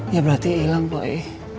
ya berarti ilang poi